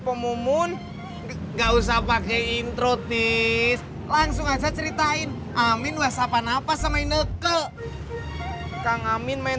pemumun enggak usah pakai intro dis langsung aja ceritain amin wassapan apa sama nengke dia amin main